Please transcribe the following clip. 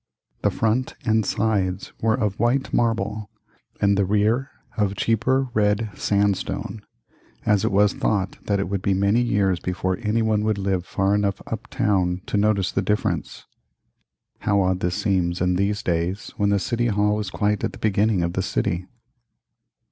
The front and sides were of white marble, and the rear of cheaper red sandstone, as it was thought that it would be many years before anyone would live far enough uptown to notice the difference. How odd this seems in these days, when the City Hall is quite at the beginning of the city.